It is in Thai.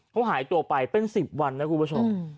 เขาหายตัวไปเป็น๑๐วันนะคุณผู้ชม